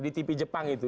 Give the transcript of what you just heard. di tv jepang itu